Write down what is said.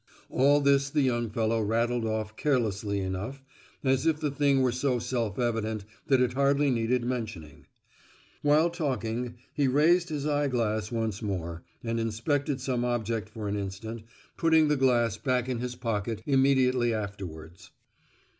All this the young fellow rattled off carelessly enough, as if the thing were so self evident that it hardly needed mentioning. While talking, he raised his eye glass once more, and inspected some object for an instant, putting the glass back in his pocket immediately afterwards.